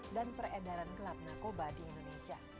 dan peredaran gelap narkoba di indonesia